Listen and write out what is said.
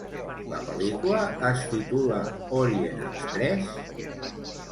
La pel·lícula es titula Orient Express?